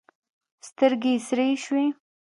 سترګې یې سرې شوې.